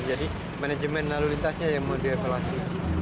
jadi manajemen lalu lintasnya yang mau direvolasi